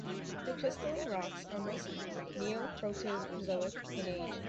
The crystalline rocks are mostly Neoproterozoic in age.